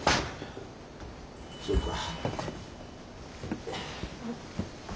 そうか。